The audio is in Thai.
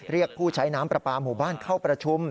เรียกผู้ใช้น้ำปลาปลาหมู่บ้านเข้าประชุม